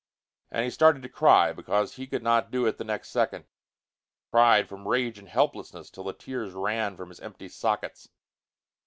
And he started to cry, because he could not do it the next second; cried from rage and helplessness till the tears ran from his empty sockets.